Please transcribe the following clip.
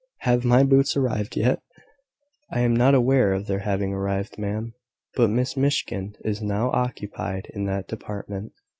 Have my boots arrived yet?" "I am not aware of their having arrived, ma'am. But Miss Miskin is now occupied in that department."